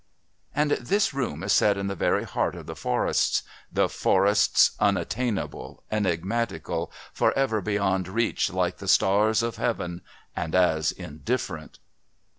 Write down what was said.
And this room is set in the very heart of the forests "the forests unattainable, enigmatical, for ever beyond reach like the stars of heaven and as indifferent."